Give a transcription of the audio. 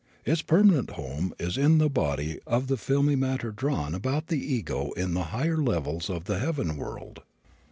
Its permanent home is in that body of filmy matter drawn about the ego in the higher levels of the heaven world.